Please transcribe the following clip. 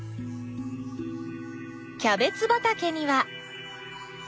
キャベツ畑には。